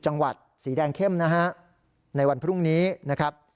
จังหวัดสีแดงเข้มนะฮะในวันพรุ่งนี้นะครับ